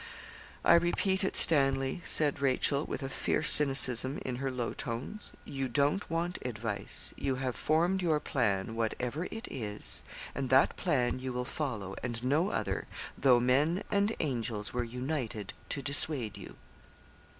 'I repeat it, Stanley,' said Rachel, with a fierce cynicism in her low tones, 'you don't want advice; you have formed your plan, whatever it is, and that plan you will follow, and no other, though men and angels were united to dissuade you.'